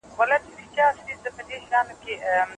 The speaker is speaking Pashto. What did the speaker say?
ساینس د څېړني په پرمختګ کي ډېره مرسته کړې ده.